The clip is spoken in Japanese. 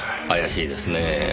怪しいですねぇ